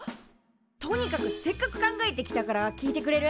とにかくせっかく考えてきたから聞いてくれる？